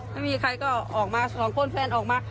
ไม่มีใครก็ออกมาสองคนแฟนออกมา